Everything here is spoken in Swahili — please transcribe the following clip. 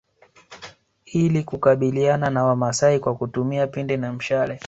Ili kukabiliana na wamasai kwa kutumia pinde na mishale